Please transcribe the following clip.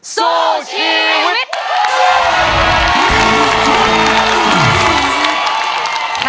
สู้ชีวิต